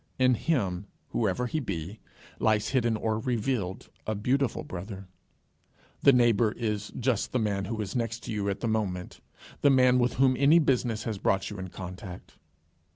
In him, whoever he be, lies, hidden or revealed, a beautiful brother. The neighbour is just the man who is next to you at the moment, the man with whom any business has brought you in contact.